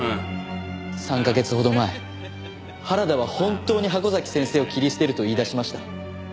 ３カ月ほど前原田は本当に箱崎先生を切り捨てると言い出しました。